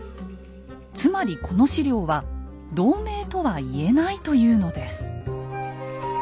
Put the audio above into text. つまりこの史料は同盟とは言えないというのです。